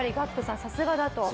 さすがだと。